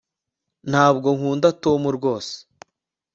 ntabwo nkunda tom rwose